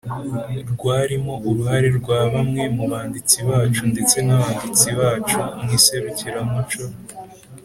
rwarimo uruhare rwa bamwe mu banditsi bacu ndetse n'abanditsi bacu mu iserukiramuco,